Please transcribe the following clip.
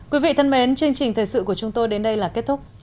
quý vị thân mến chương trình thời sự của chúng tôi đến đây là kết thúc